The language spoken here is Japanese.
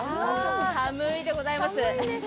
寒いでございます。